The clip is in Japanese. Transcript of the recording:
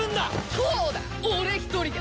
そうだ俺１人だ！